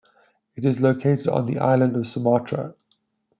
It is located on the island of Sumatra.